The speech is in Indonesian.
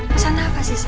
pesan apa sih